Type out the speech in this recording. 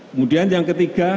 kemudian yang ketiga